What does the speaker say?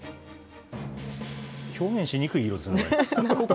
表現しにくい色ですね、これ。